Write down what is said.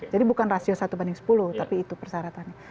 jadi bukan rasio satu banding sepuluh tapi itu persyaratannya